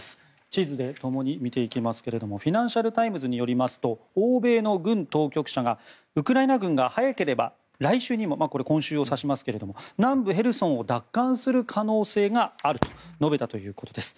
地図でともに見ていきますがフィナンシャル・タイムズによりますと欧米の軍当局者がウクライナ軍が早ければ来週にもこれ、今週を指しますが南部ヘルソンを奪還する可能性があると述べたということです。